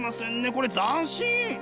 これ斬新！